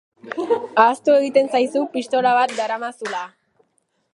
Ahaztu egiten zaizu pistola bat daramazula.